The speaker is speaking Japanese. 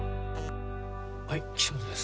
はい岸本です。